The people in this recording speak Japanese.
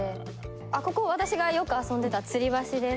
あここ私がよく遊んでた吊橋です。